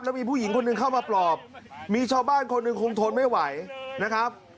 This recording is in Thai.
มีผู้หญิงคนหนึ่งเข้ามาปลอบมีชาวบ้านคนหนึ่งคงทนไม่ไหวนะครับ